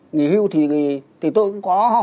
nghỉ hưu thì tôi cũng có